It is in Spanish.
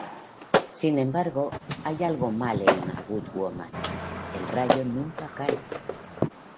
Sin embargo, hay algo mal en "A Good Woman": El rayo nunca cae.